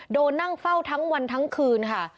นั่งเฝ้าทั้งวันทั้งคืนค่ะ